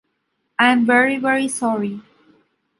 I am very, very sorry.